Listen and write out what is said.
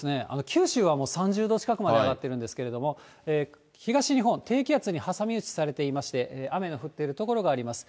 九州はもう３０度近くまで上がってるんですけれども、東日本、低気圧に挟み撃ちされていまして、雨の降っている所があります。